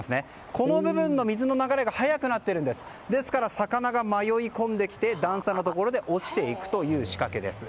この部分の水の流れが速くなっているので魚が迷い込んできて段差のところで落ちていくという仕掛けです。